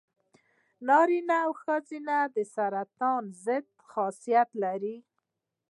انار د وینې سرطان ضد خاصیت لري.